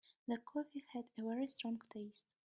The coffee had a very strong taste.